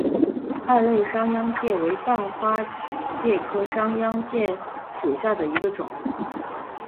二肋商鞅介为半花介科商鞅介属下的一个种。